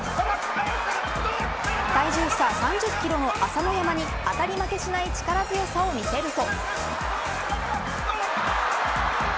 体重差３０キロの朝乃山に当たり負けしない力強さを見せると。